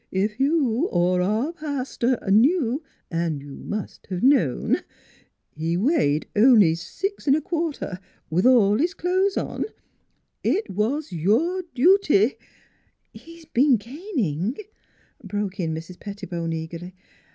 If you or our paster knew an' you must 'a' known he weighed only six 'n' a quarter, with all his clo'es on it was your dooty "" He's been gaining," broke in Mrs. Pettibone eagerly.